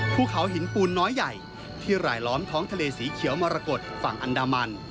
ภูเขาหินปูนน้อยใหญ่ที่หลายล้อมท้องทะเลสีเขียวมรกฏฝั่งอันดามัน